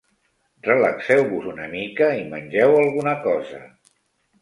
Relaxeu-vos una mica i mengeu alguna cosa.